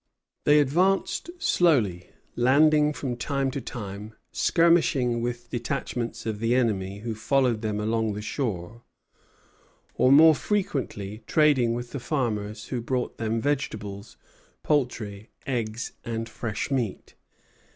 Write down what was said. They advanced slowly, landing from time to time, skirmishing with detachments of the enemy who followed them along the shore, or more frequently trading with the farmers who brought them vegetables, poultry, eggs, and fresh meat.